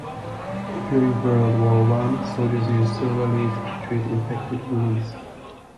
During World War One, soldiers used silver leaf to treat infected wounds.